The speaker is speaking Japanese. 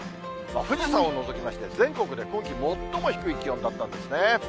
富士山を除きまして、全国で今季最も低い気温だったんですね。